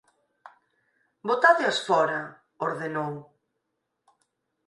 botádeas fóra −ordenou.